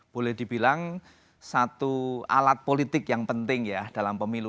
boleh dibilang satu alat politik yang penting ya dalam pemilu